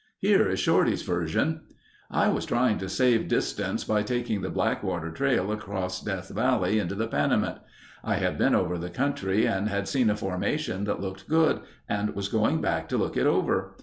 Here is Shorty's version: "I was trying to save distance by taking the Blackwater trail across Death Valley into the Panamint. I had been over the country and had seen a formation that looked good and was going back to look it over.